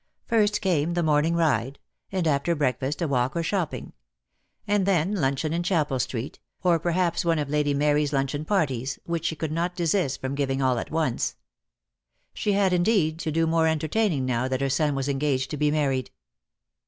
First came the morning ride, and after breakfast a walk or shopping; and then luncheon in Chapel Street, or perhaps one of Lady Mary's luncheon parties, which she could not desist from giving all at once. DEAD LOVE HAS CHAINS. 207 She had, indeed, to do more entertaining now that her son was engaged to be married.